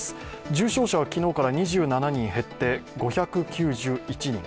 重症者は昨日から２７人減って５９１人